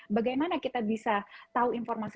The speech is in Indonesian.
bagaimana kita bisa tahu informasi